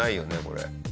これ。